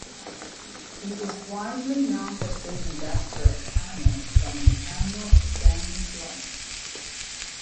He is widely known for saving desperate animals from the annual Assam floods.